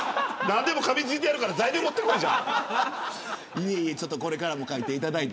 何でも、かみついてやるから材料持ってこい。